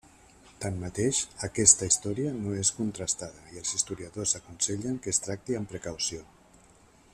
Tanmateix, aquesta història no és contrastada i els historiadors aconsellen que es tracti amb precaució.